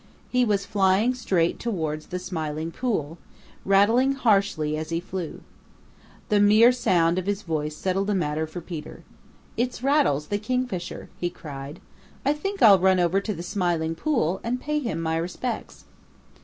He was flying straight towards the Smiling Pool, rattling harshly as he flew. The mere sound of his voice settled the matter for Peter. "It's Rattles the Kingfisher," he cried. "I think I'll run over to the Smiling Pool and pay him my respects."